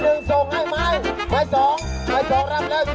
ต้องวิ่งตังค์ไม่ต้องวิ่งตังค์สมัครไปเลย